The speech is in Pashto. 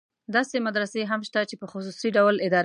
داسې مدرسې هم شته چې په خصوصي ډول اداره کېږي.